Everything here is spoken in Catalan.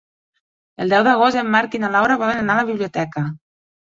El deu d'agost en Marc i na Laura volen anar a la biblioteca.